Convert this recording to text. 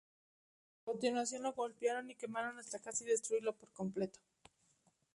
A continuación lo golpearon y quemaron hasta casi destruirlo por completo.